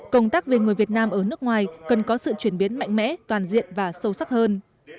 công tác về người việt nam ở nước ngoài cần có sự chuyển biến mạnh mẽ toàn diện và sâu sắc hơn